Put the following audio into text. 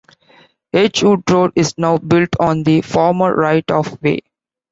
Edgewood Road is now built on the former right of way.